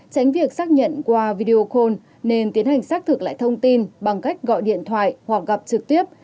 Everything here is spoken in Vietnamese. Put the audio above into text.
tránh việc xác nhận qua video call nên tiến hành xác thực lại thông tin bằng cách gọi điện thoại hoặc gặp trực tiếp